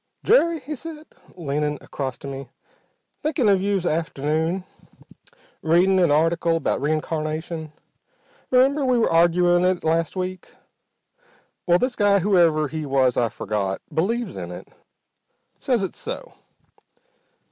"Jerry," he said, leaning across to me, "thinkin' of you s'afternoon. Readin' an article about reincarnation. Remember we were arguin' it last week? Well, this guy, whoever he was I've forgot, believes in it. Says it's so.